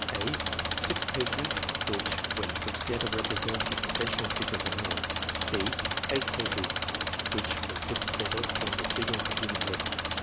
— (a) Six pieces which when put together represent the conventional figure of a man, (b) Eight pieces which when put together form the figure of a human head.